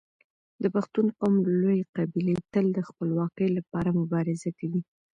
د پښتون قوم لويې قبيلې تل د خپلواکۍ لپاره مبارزه کوي.